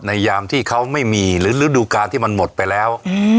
ยามที่เขาไม่มีหรือฤดูการที่มันหมดไปแล้ว